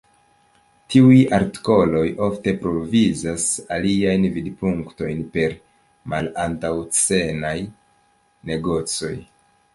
Tiuj artikoloj ofte provizas aliajn vidpunktojn per malantaŭ-scenaj negocoj.